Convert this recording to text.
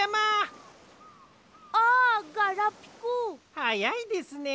はやいですね。